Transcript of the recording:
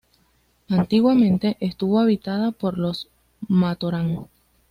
Antiguamente, estuvo habitada por los "Matoran".